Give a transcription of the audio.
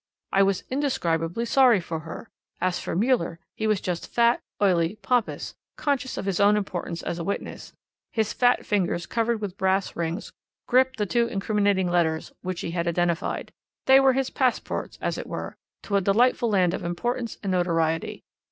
"I was indescribably sorry for her. As for Müller, he was just fat, oily, pompous, conscious of his own importance as a witness; his fat fingers, covered with brass rings, gripped the two incriminating letters, which he had identified. They were his passports, as it were, to a delightful land of importance and notoriety.